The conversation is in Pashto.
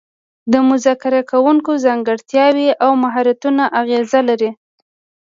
د مذاکره کوونکو ځانګړتیاوې او مهارتونه اغیز لري